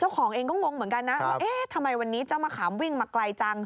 ของเองก็งงเหมือนกันนะว่าเอ๊ะทำไมวันนี้เจ้ามะขามวิ่งมาไกลจัง